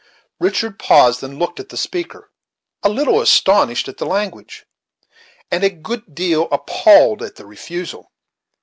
Richard paused and looked at the speaker, a little astonished at the language, and a good deal appalled at the refusal.